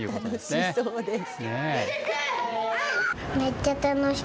楽しそうです。